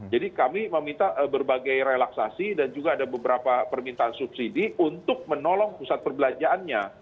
jadi kami meminta berbagai relaksasi dan juga ada beberapa permintaan subsidi untuk menolong pusat perbelanjaannya